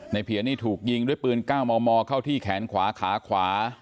เพียรนี่ถูกยิงด้วยปืน๙มมเข้าที่แขนขวาขาขวา